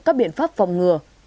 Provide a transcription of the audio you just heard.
các biện pháp phòng báo